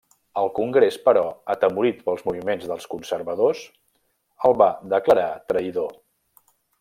El Congrés, però, atemorit pels moviments dels conservadors, el va declarar traïdor.